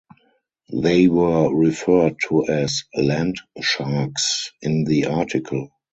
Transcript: They were referred to as "land sharks" in the article.